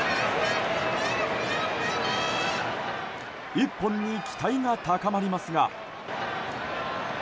１本に期待が高まりますが。